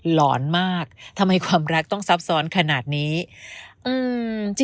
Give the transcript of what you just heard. หอนมากทำไมความรักต้องซับซ้อนขนาดนี้อืม